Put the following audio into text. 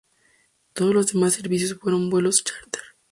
Todos los demás servicios fueron vuelos chárter.